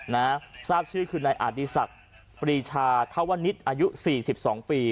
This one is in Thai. นะฮะทราบชื่อคือในอดีตศักดิ์ปรีชาธาวนิตอายุ๔๒ปี